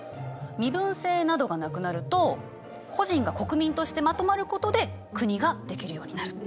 身分制などがなくなると個人が国民としてまとまることで国ができるようになる。